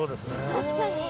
確かに。